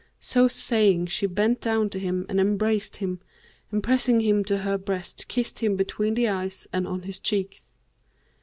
So saying, she bent down to him and embraced him and pressing him to her breast kissed him between the eyes and on his cheeks.